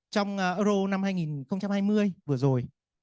trong euro hai nghìn hai mươi vừa rồi